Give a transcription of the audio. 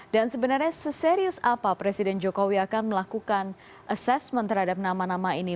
dan sebenarnya seserius apa presiden jokowi akan melakukan asesmen terhadap nama nama ini